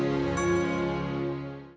sampai jumpa lagi